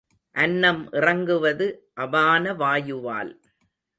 அன்னம் இறங்குவது அபான வாயுவால்.